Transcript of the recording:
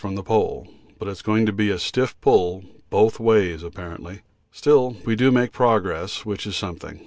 from the Pole, but it's going to be a stiff pull both ways apparently; still we do make progress, which is something.